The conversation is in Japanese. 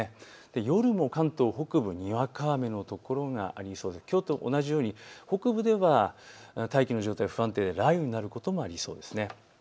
夜も関東北部、にわか雨の所がありそうできょうと同じように北部では大気の状態が不安定で雷雨になることもありそうです。